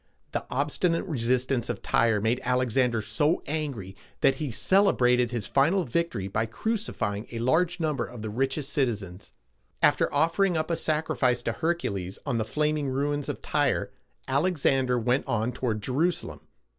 The obstinate resistance of Tyre made Alexander so angry, that he celebrated his final victory by crucifying a large number of the richest citizens. After offering up a sacrifice to Hercules on the flaming ruins of Tyre, Alexander went on toward Je ru´sa lem.